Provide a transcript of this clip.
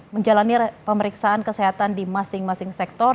menjalani pemeriksaan kesehatan di masing masing sektor